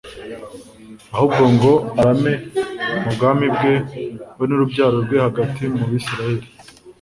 ahubwo ngo arame mu bwami bwe, we n'urubyaro rwe, hagati mu bisirayeli